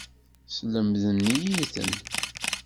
Slemden-iyi-ten.